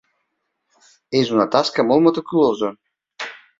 És una tasca molt meticulosa.